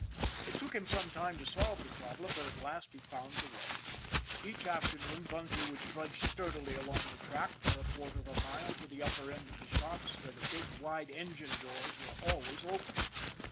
It took him some time to solve the problem, but at last he found the way. Each afternoon Bunty would trudge sturdily along the track for a quarter of a mile to the upper end of the shops, where the big, wide engine doors were always open.